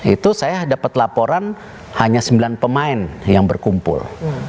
itu saya dapat laporan hanya sembilan pemain yang berkumpul